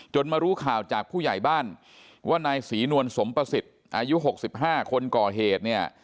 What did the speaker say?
มารู้ข่าวจากผู้ใหญ่บ้านว่านายศรีนวลสมประสิทธิ์อายุ๖๕คนก่อเหตุเนี่ย